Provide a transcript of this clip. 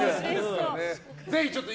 ぜひちょっと。